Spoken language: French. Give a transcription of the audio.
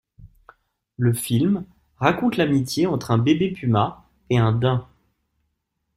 Le film raconte l'amitié entre un bébé puma et un daim.